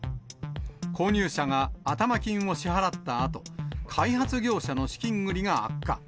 購入者が頭金を支払ったあと、開発業者の資金繰りが悪化。